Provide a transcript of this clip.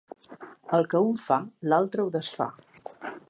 El que un fa, l'altre ho desfà.